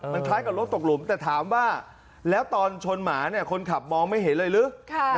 มันคล้ายกับรถตกหลุมแต่ถามว่าแล้วตอนชนหมาเนี่ยคนขับมองไม่เห็นเลยหรือ